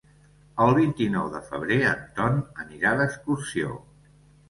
El vint-i-nou de febrer en Ton anirà d'excursió.